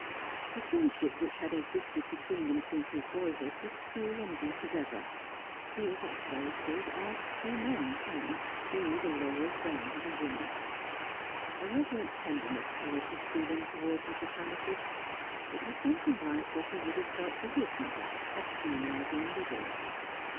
The friendship which had existed between them since his boyhood was true and deep as ever; Piers Otway could, as few men can, be the loyal friend of a woman. A reverent tenderness coloured his feeling towards Mrs. Hannaford; it was something like what he would have felt for his mother had she now been living.